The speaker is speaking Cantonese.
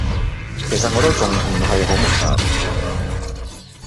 其實我都仲唔係好明白